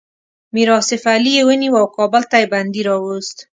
میر آصف علي یې ونیو او کابل ته یې بندي راووست.